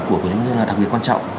của người dân là đặc biệt quan trọng